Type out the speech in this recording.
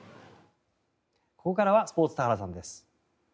ここからはスポーツ田原さんです。